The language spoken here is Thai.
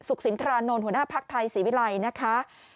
สินทรานนท์หัวหน้าภักดิ์ไทยศรีวิลัยนะคะ